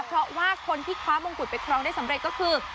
เพราะว่าคนที่คว้ามงกุฎไปครองได้สำเร็จก็คือ